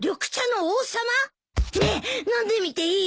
ねえ飲んでみていい？